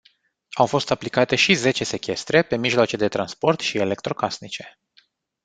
Au fost aplicate și zece sechestre pe mijloace de transport și electrocasnice.